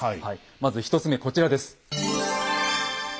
まず１つ目こちらです。